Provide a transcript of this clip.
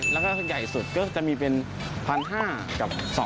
แล้วก็ใหญ่สุดก็จะมีเป็น๑๕๐๐กับ๒๐๐